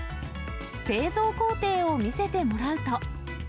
製造工程を見せてもらうと。